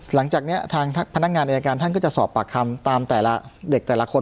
หลังจากนี้ทางพนักงานอายการท่านก็จะสอบปากคำตามแต่ละเด็กแต่ละคน